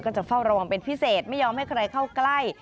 จะเฝ้าระวังเป็นพิเศษไม่ยอมให้ใครเข้าใกล้